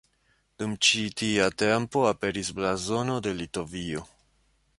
Dum ĉi tia tempo aperis Blazono de Litovio.